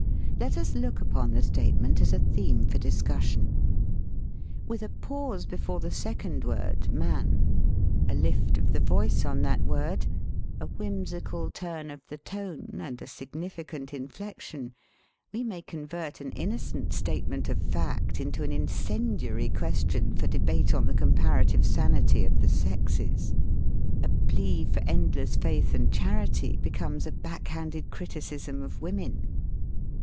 Let us look upon the statement as a theme for discussion. With a pause before the second word, "man," a lift of the voice on that word, a whimsical turn of the tone, and a significant inflection, we may convert an innocent statement of fact into an incendiary question for debate on the comparative sanity of the sexes. A plea for endless faith and charity becomes a back handed criticism of women.